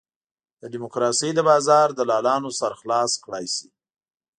د ډیموکراسۍ د بازار دلالانو سر خلاص کړای شي.